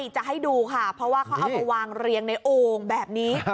จะให้ดูค่ะเพราะว่าเขาเอามาวางเรียงในโอ่งแบบนี้